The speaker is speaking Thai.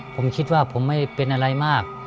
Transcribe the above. ผมคิดว่าผมไม่เป็นอะไรมาก